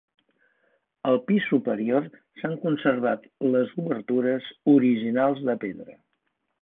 Al pis superior s'han conservat les obertures originals de pedra.